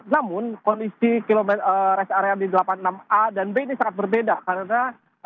namun kondisi rest area di delapan puluh enam a dan b ini sangat berbeda karena